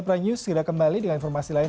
prime news segera kembali dengan informasi lain